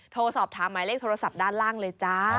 โทรสอบถามหมายเลขโทรศัพท์ด้านล่างเลยจ้า